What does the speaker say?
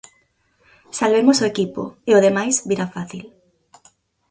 Salvemos o equipo, e o demais virá fácil.